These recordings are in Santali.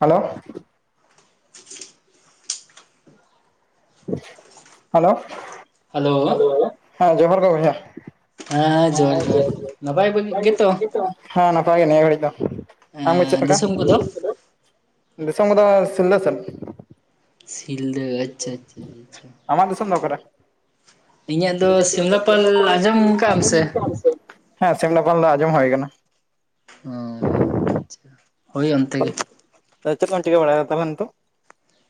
ᱦᱮᱞᱳᱼᱼ ᱦᱮᱞᱳ ᱦᱮᱞᱳ ᱦᱮᱸ ᱡᱚᱸᱦᱟᱨ ᱜᱮ ᱵᱚᱭᱦᱟ᱾ ᱦᱮᱸ ᱡᱚᱦᱟᱨ ᱦᱮ ᱡᱚᱦᱟᱨ ᱱᱟᱯᱟᱭ ᱡᱚᱦᱟᱨ ᱜᱮᱛᱚ ᱜᱮ [unintelligible] ᱦᱮᱸ ᱱᱟᱯᱟᱭ ᱜᱮ ᱱᱤᱭᱟᱹ ᱜᱷᱟᱹᱲᱤᱡ ᱫᱚ ᱟᱢᱜᱮ ᱪᱮᱫ ᱞᱮᱠᱟ? ᱫᱤᱥᱚᱢ ᱠᱚᱫᱚ ᱫᱤᱥᱚᱢ ᱠᱚ ᱫᱚ ᱥᱤᱞᱫᱟᱹ ᱥᱮᱫ᱾ ᱥᱤᱞᱫᱹᱟ ᱟᱪᱪᱷᱟ ᱟᱪᱪᱷᱟ ᱟᱪᱪᱷᱟ᱾ ᱟᱢᱟᱜ ᱫᱚᱥᱚᱱ ᱫᱚ ᱚᱠᱟᱨᱮ? ᱤᱧᱟᱹᱜ ᱤᱧᱟᱜ ᱫᱚ ᱥᱤᱢᱞᱟᱯᱟᱞ ᱟᱸᱡᱚᱢ ᱠᱟᱜ ᱟᱢ ᱟᱧᱡᱚᱢ ᱥᱮ? ᱦᱮᱸ ᱥᱮᱢᱞᱟᱯᱟᱞ ᱫᱚ ᱟᱸᱧᱢᱚᱢ ᱦᱩᱭ ᱟᱠᱟᱱᱟ᱾ ᱦᱚᱸ ᱦᱳᱭ ᱚᱱᱛᱮ ᱜᱮ᱾ ᱪᱮᱫ ᱠᱚᱢ ᱪᱤᱠᱟ ᱵᱟᱲᱟᱭ ᱛᱚᱦᱟᱱ ᱱᱤᱛᱳᱜ?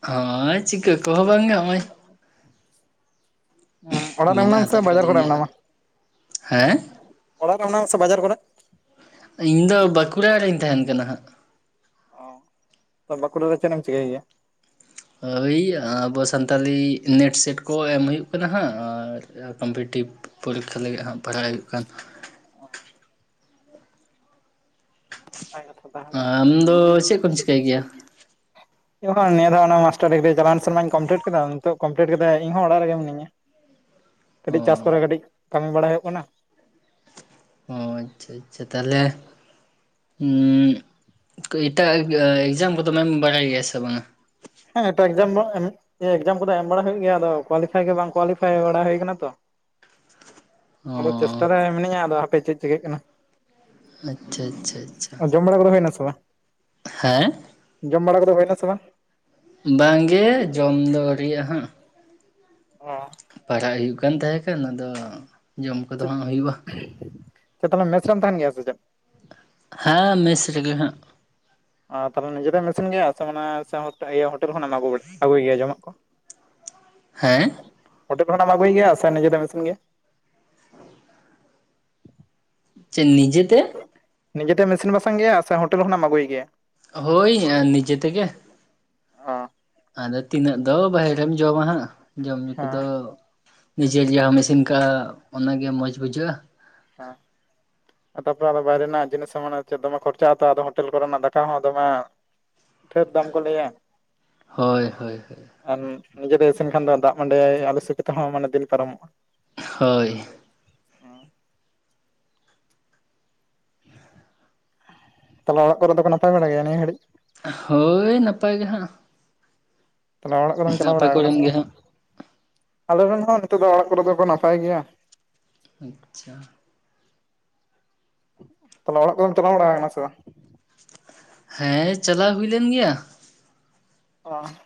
ᱦᱳᱭ ᱪᱤᱠᱟᱹ ᱠᱚᱦᱚᱸ ᱵᱟᱝᱜᱮ ᱦᱚᱸᱜᱼᱚᱭ᱾ ᱦᱚᱸ ᱚᱲᱟᱜ ᱨᱮ ᱢᱮᱱᱟᱜ ᱢᱮᱱᱟᱢᱟ ᱥᱮ ᱦᱟᱛᱟᱲ ᱵᱟᱡᱟᱨ ᱠᱟᱹᱫᱤᱧ ᱠᱚᱨᱮᱜ ᱜᱮᱭᱟ ᱦᱟᱸᱜ ᱢᱮᱱᱢᱟ? ᱦᱮᱸ ᱚᱲᱟᱜ ᱨᱮ ᱢᱮᱱᱟᱢᱟ ᱥᱮ ᱵᱟᱡᱟᱨ ᱠᱚᱨᱮᱜ? ᱤᱧ ᱫᱚ ᱵᱟᱸᱠᱩᱲᱟ ᱨᱮᱧ ᱛᱟᱦᱮᱱ ᱠᱟᱱᱟ ᱦᱟᱸᱜ᱾ ᱚ ᱛᱚ ᱵᱟᱠᱩᱲᱟ ᱨᱮ ᱪᱮᱫᱮᱢ ᱪᱤᱠᱟᱹᱭ ᱜᱮᱭᱟ? ᱳᱭ ᱟᱵᱚ ᱥᱟᱱᱛᱟᱞᱤ ᱱᱮᱴᱼᱥᱮᱴ ᱠᱚ ᱮᱢ ᱦᱩᱭᱩᱜ ᱠᱟᱱᱟ ᱦᱟᱸᱜ ᱟᱨᱼᱼ ᱠᱚᱢᱯᱤᱴᱤᱵᱽ ᱯᱚᱨᱤᱠᱠᱷᱟ ᱞᱟᱹᱜᱤᱫ ᱦᱟᱸᱜ ᱯᱟᱲᱦᱟᱣ ᱦᱩᱭᱩᱜ ᱠᱟᱱᱟ᱾ ᱵᱷᱟᱜᱮ ᱠᱟᱛᱷᱟ ᱛᱟᱦᱚᱞᱮ ᱾ᱟᱨ ᱟᱢ ᱫᱚ ᱪᱮᱫ ᱮᱢ ᱪᱤᱠᱟᱹᱭ ᱜᱮᱭᱟ [inaudible] ᱤᱧ ᱦᱚᱸ ᱱᱤᱭᱟᱹ ᱫᱷᱟᱳ ᱚᱱᱟ ᱢᱟᱥᱴᱟᱨ ᱰᱩᱜᱽᱨᱤ ᱪᱟᱞᱟᱳᱮᱱ ᱥᱮᱨᱢᱟᱧ ᱠᱚᱢᱯᱞᱤᱴ ᱠᱮᱫᱟ ᱱᱤᱛᱳᱜ ᱠᱚᱢᱯᱞᱤᱴ ᱠᱟᱛᱮ ᱤᱧ ᱦᱚᱸ ᱚᱲᱟᱜ ᱨᱮᱜᱮ ᱢᱤᱱᱟᱧᱼᱟ᱾ [inaudible] ᱠᱟᱹᱴᱤᱡ ᱪᱟᱥ ᱚ ᱠᱚᱨᱮ ᱠᱟᱹᱴᱤᱡ ᱠᱟᱹᱢᱤ ᱵᱟᱲᱟ ᱦᱩᱭᱩᱜ ᱠᱟᱱᱟ ᱚ ᱟᱪᱪᱷᱟ ᱟᱪᱪᱷᱟ ᱛᱟᱦᱞᱮ ᱩᱸ ᱮᱴᱟᱜ ᱮᱠᱡᱟᱢ ᱠᱚᱫᱚᱢ ᱮᱢ ᱵᱟᱲᱟᱭ ᱜᱮᱭᱟ ᱥᱮ ᱵᱟᱝᱟ ᱦᱮᱸ ᱮᱴᱟᱜ ᱮᱠᱡᱟᱢ ᱮᱠᱡᱟᱢ ᱠᱚᱫᱚ ᱮᱢ ᱵᱟᱲᱟ ᱦᱳᱭᱳᱜ ᱜᱮᱭᱟ ᱟᱫᱚ ᱠᱳᱣᱟᱞᱤᱯᱷᱟᱭ ᱜᱮ ᱵᱟᱝ ᱠᱳᱣᱟᱞᱤᱯᱷᱟᱭ ᱵᱟᱲᱟ ᱦᱩᱭ ᱟᱠᱟᱱᱟ ᱛᱚ [inaudible] ᱟᱫᱚ ᱪᱮᱥᱴᱟ ᱚ ᱨᱮ ᱢᱤᱱᱟᱹᱧᱟ ᱟᱫᱚ ᱦᱟᱯᱮ ᱪᱮᱫ ᱪᱤᱠᱟᱹᱜ ᱠᱟᱱᱟ ᱟᱪᱪᱷᱟ ᱟᱪᱪᱷᱟ ᱟᱪᱪᱷᱟ ᱵᱳᱲᱳ ᱜᱳᱲᱳ ᱦᱳᱭ ᱱᱟ ᱥᱮ ᱵᱟᱝ ᱦᱮᱸ ᱡᱚᱢ ᱵᱟᱲᱟ ᱠᱚᱫᱚ ᱦᱩᱭᱱᱟ ᱥᱮ ᱵᱟᱝ ᱵᱟᱝᱜᱮ ᱡᱚᱢ ᱫᱚ ᱟᱣᱨᱤᱭᱟᱜ ᱦᱟᱸᱜ ᱚ ᱯᱟᱲᱦᱟᱜ ᱦᱩᱭᱩᱜ ᱠᱟᱱ ᱛᱟᱦᱮᱸ ᱠᱟᱱᱟ ᱟᱫᱚ ᱡᱚᱢ ᱠᱚᱫᱚ ᱪᱮᱫ ᱦᱟᱸᱜ ᱦᱩᱭᱩᱜᱼᱟ ᱪᱮᱫ ᱛᱟᱦᱚᱞᱮ ᱢᱮᱥᱨᱮᱢ ᱛᱟᱦᱮᱱ ᱜᱮᱭᱟ ᱥᱮ ᱪᱮᱫ ᱦᱮᱸ ᱢᱮᱥ ᱨᱮᱜᱮ ᱦᱟᱸᱜ ᱚ ᱛᱟᱦᱞᱮ ᱱᱤᱡᱮ ᱛᱮᱢ ᱤᱥᱤᱱ ᱜᱮᱭᱟ ᱥᱮ ᱢᱟᱱᱮ ᱦᱳ ᱼᱼ ᱴᱮ ᱤᱭᱟᱹ ᱦᱳᱴᱮᱞ ᱠᱷᱚᱱᱟᱢ ᱟᱹᱜᱩ ᱟᱹᱜᱩᱭ ᱜᱮᱭᱟ ᱡᱚᱢᱟᱜ ᱠᱚ ᱦᱮᱸ ᱦᱳᱴᱮᱞ ᱠᱷᱱᱟᱢ ᱟᱹᱜᱩᱭ ᱜᱮᱭᱟ ᱥᱮ ᱱᱤᱡᱮ ᱛᱮᱢ ᱤᱥᱮᱱ ᱜᱮᱭᱟ ᱪᱮᱫ ᱱᱤᱡᱮᱛᱮ ᱱᱤᱡᱮᱛᱮᱢ ᱤᱥᱤᱱ ᱵᱟᱥᱟᱝ ᱜᱮᱭᱟ ᱥᱮ ᱦᱳᱴᱮᱞ ᱠᱷᱚᱱᱟᱢ ᱟᱹᱜᱩᱭ ᱜᱮᱭᱟ ᱦᱳᱭ ᱱᱤᱡᱮ ᱛᱮᱜᱮ ᱚ ᱟᱫᱚ ᱛᱤᱱᱟᱹᱜ ᱫᱚ ᱵᱟᱦᱨᱮ ᱨᱮᱢ ᱡᱚᱢᱟ ᱦᱟᱸᱜ ᱡᱚᱢ ᱧᱩ ᱦᱮᱸ ᱠᱚᱫᱚ ᱱᱤᱡᱮ ᱡᱟᱦᱟᱸᱢ ᱤᱥᱤᱱ ᱟᱠᱟᱜᱼᱟ ᱚᱱᱟᱜᱮ ᱢᱚᱸᱡᱽ ᱵᱩᱡᱷᱟᱹᱜᱼᱟ ᱦᱟᱸ ᱛᱟᱯᱚᱨ ᱟᱫᱚ ᱵᱟᱭᱨᱮ ᱨᱮᱱᱟᱜ ᱡᱤᱱᱤᱥ ᱦᱚᱸ ᱢᱟᱱᱮ ᱫᱚᱢᱮ ᱠᱷᱚᱨᱪᱟᱜ ᱟᱛᱚ ᱟᱫᱚ ᱦᱳᱴᱮᱞ ᱠᱚᱨᱮᱱᱟᱜ ᱫᱟᱠᱟ ᱦᱚᱸ ᱫᱚᱢᱮ ᱴᱷᱮᱨ ᱫᱟᱢ ᱠᱚ ᱞᱟᱹᱭᱟ ᱦᱳᱭ ᱦᱳᱭ ᱦᱳᱭ ᱟᱨ ᱱᱤᱡᱮᱛᱮ ᱤᱥᱤᱱ ᱠᱷᱟᱱ ᱫᱚ ᱫᱟᱜ ᱢᱟᱹᱰᱮᱭ ᱟᱞᱚ ᱥᱚᱠᱤᱛ ᱦᱚᱸ ᱢᱟᱱᱮ ᱫᱤᱱ ᱯᱟᱨᱚᱢᱚᱜᱼᱟ ᱦᱳᱭ ᱛᱟᱦᱚᱞᱮ ᱚᱲᱟᱜ ᱠᱚᱨᱮ ᱫᱚᱠᱚ ᱱᱟᱯᱟᱭ ᱵᱟᱲᱟ ᱜᱮᱭᱟ ᱱᱤᱭᱟᱹ ᱜᱟᱹᱲᱤᱡ ᱦᱳᱭ ᱱᱟᱯᱟᱭ ᱜᱮ ᱦᱟᱸᱜ ᱛᱟᱦᱞᱮ ᱚᱲᱟᱜ ᱠᱚᱨᱮᱢ ᱪᱟᱞᱟᱣ ᱟᱯᱮ ᱵᱟᱲᱟ ᱟᱠᱟᱱᱟ ᱠᱚᱨᱮᱱ ᱥᱮ ᱜᱮ ᱵᱟᱝ ᱦᱟᱸᱜ ᱟᱞᱮ ᱨᱮᱱ ᱦᱚᱸ ᱱᱤᱛᱚᱜ ᱫᱚ ᱚᱲᱟᱜ ᱠᱚᱨᱮ ᱫᱚᱠᱚ ᱱᱟᱯᱟᱭ ᱜᱮᱭᱟ ᱟᱪᱪᱷᱟ ᱛᱟᱞᱦᱮ ᱚᱲᱟᱜ ᱠᱚᱫᱚᱢ ᱪᱟᱞᱟᱣ ᱵᱟᱲᱟ ᱟᱠᱟᱱᱟ ᱥᱮ ᱵᱟᱝ ᱦᱮᱸ ᱪᱟᱞᱟᱣ ᱦᱩᱭ ᱞᱮᱱ ᱜᱮᱭᱟ ᱚ